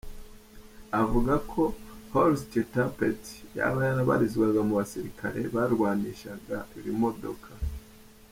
avuga ko Horst Tappert yaba yarabarizwaga mu basirikare bwarwanisha ibimodoka.